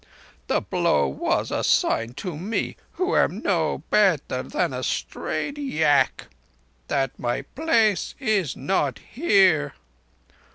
The blow was a sign to me, who am no better than a strayed yak, that my place is not here.